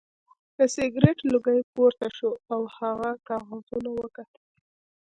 د سګرټ لوګی پورته شو او هغه کاغذونه وکتل